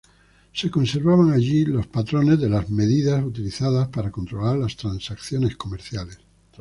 Se conservaban allí los patrones de las medidas utilizadas para controlar las transacciones comerciales.